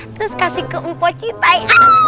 terus kasih ke mpo citai